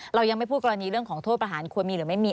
เรายังไม่พูดกรณีเรื่องของโทษประหารควรมีหรือไม่มี